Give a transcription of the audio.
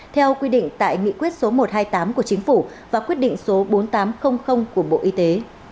theo quy định tại nghị quyết số một trăm hai mươi tám của chính phủ và quyết định số bốn nghìn tám trăm linh của bộ y tế